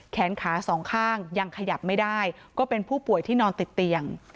แขนขาสองข้างยังขยับไม่ได้ก็เป็นผู้ป่วยที่นอนติดเตียง